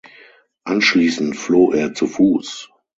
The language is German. Anschließend floh er zu Fuß.